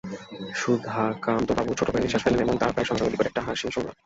সুধাকান্তবাবু ছোট্ট করে নিঃশ্বাস ফেললেন এবং তার প্রায় সঙ্গে-সঙ্গে বিকট একটা হাসি শুনলাম।